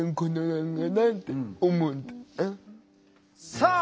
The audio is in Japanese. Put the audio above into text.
さあ